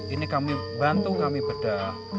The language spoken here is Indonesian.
ini kami bantu kami bedah